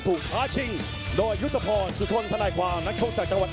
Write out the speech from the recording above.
มาพร้อมกับเข็มขัด๔๙กิโลกรัมซึ่งตอนนี้เป็นของวัดสินชัยครับ